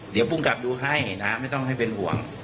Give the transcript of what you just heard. เดี๋ยวภูมิกับดูให้นะไม่ต้องให้เป็นห่วง